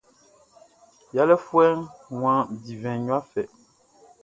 Yalé foué wan divin ya fê.